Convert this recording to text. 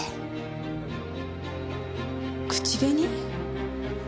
口紅？